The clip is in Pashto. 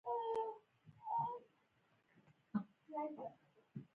د ماشوم په سر، دې سره لاس ته دې پام دی؟